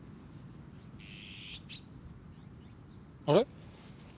あれ？